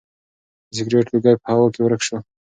د سګرټ لوګی په هوا کې ورک شو.